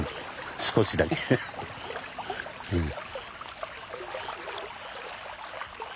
少しだけうん。